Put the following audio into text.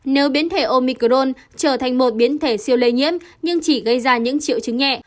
nếu biến thể omicron trở thành một biến thể siêu lây nhiễm nhưng chỉ gây ra những triệu chứng nhẹ